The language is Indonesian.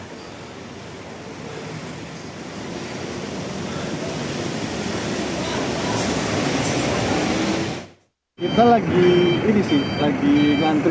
pembuat sebagian kendaraan yang tertabrak terguling persis di depan gerbang tol